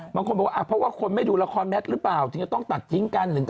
บางคนบอกว่าเพราะว่าคนไม่ดูละครแมทหรือเปล่าถึงจะต้องตัดทิ้งกัน